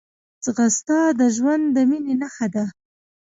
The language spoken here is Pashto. ځغاسته د ژوند د مینې نښه ده